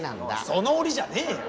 その檻じゃねえよ！